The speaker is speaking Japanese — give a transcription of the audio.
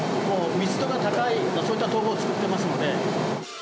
もう密度が高い、そういった豆腐を作っていますので。